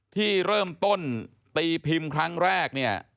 ที่เริ่มต้นตีพิมพ์ครั้งแรกเนี่ย